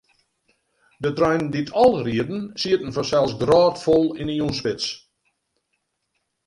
De treinen dy't ál rieden, sieten fansels grôtfol yn 'e jûnsspits.